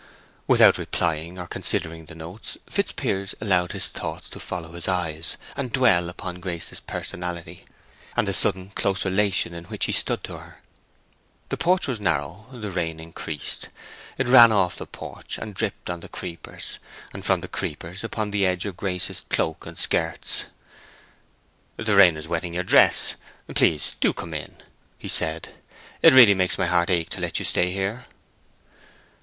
Without replying or considering the notes, Fitzpiers allowed his thoughts to follow his eyes, and dwell upon Grace's personality, and the sudden close relation in which he stood to her. The porch was narrow; the rain increased. It ran off the porch and dripped on the creepers, and from the creepers upon the edge of Grace's cloak and skirts. "The rain is wetting your dress; please do come in," he said. "It really makes my heart ache to let you stay here."